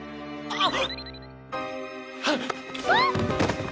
あっ！